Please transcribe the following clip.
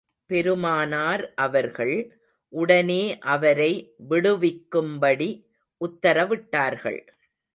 பெருமானார் அவர்கள், உடனே அவரை விடுவிக்கும்படி உத்தரவிட்டார்கள்.